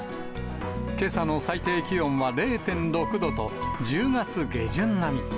けさの最低気温は０．６度と、１０月下旬並み。